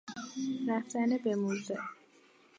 رفتن به موزه